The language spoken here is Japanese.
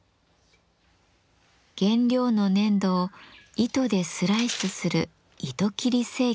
原料の粘土を糸でスライスする糸切り成形です。